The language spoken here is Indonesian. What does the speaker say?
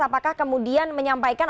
apakah kemudian menyampaikan